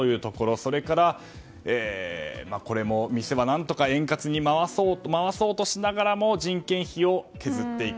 それから、これも店を円滑に回そうとしながらも人件費を削っていく。